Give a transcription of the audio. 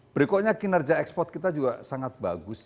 berikutnya kinerja ekspor kita juga sangat bagus